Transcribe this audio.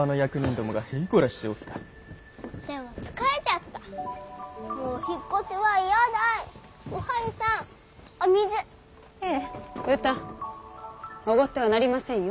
驕ってはなりませんよ。